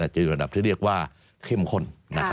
จะอยู่ระดับที่เรียกว่าเข้มข้น